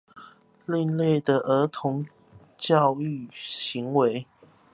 另類的動物育兒行為